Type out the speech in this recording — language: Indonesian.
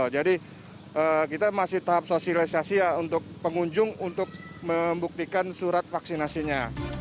jadi kita masih tahap sosialisasi untuk pengunjung untuk membuktikan surat vaksinasinya